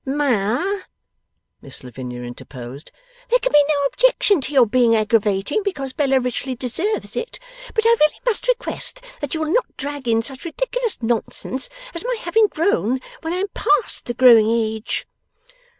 'Ma,' Miss Lavinia interposed, 'there can be no objection to your being aggravating, because Bella richly deserves it; but I really must request that you will not drag in such ridiculous nonsense as my having grown when I am past the growing age.